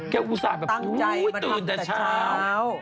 แกอุติศาสตร์แบบอู้วตื่นแต่เช้า